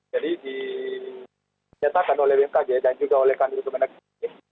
jadi dinyatakan oleh bmkg dan juga oleh kandung kemenang ini